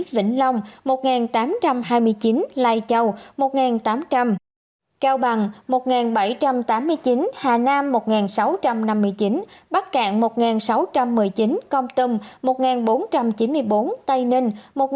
vĩnh long một tám trăm hai mươi chín lai châu một tám trăm linh cao bằng một bảy trăm tám mươi chín hà nam một sáu trăm năm mươi chín bắc cạn một sáu trăm một mươi chín công tâm một bốn trăm chín mươi bốn tây ninh một bốn trăm tám mươi năm